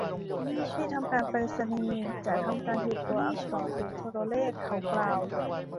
ที่ทำการไปรษณีย์จะทำการหยุดตัวอักษรหรือโทรเลข เขากล่าว